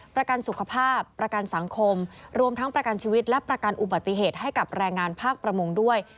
ประกันสุขภาพประกันสังคมรวมทั้งประกันชีวิตและประกันอุบัติเหตุให้กับแรงงานภาคประมงด้วย